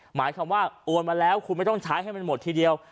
หมายความว่าโอนมาแล้วคุณไม่ต้องใช้ให้มันหมดทีเดียว